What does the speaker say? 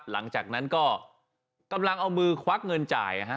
หลังจากนั้นก็กำลังเอามือควักเงินจ่าย